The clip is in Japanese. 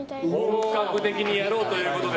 本格的にやろうということで。